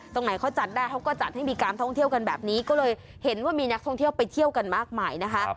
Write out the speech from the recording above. ตรงไหนเขาจัดได้เขาก็จัดให้มีการท่องเที่ยวกันแบบนี้ก็เลยเห็นว่ามีนักท่องเที่ยวไปเที่ยวกันมากมายนะคะ